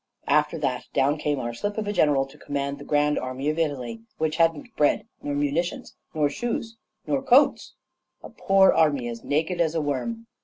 "After that, down came our slip of a general to command the grand army of Italy, which hadn't bread, nor munitions, nor shoes, nor coats a poor army, as naked as a worm.